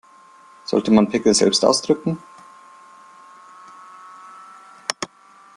Sollte man Pickel selbst ausdrücken?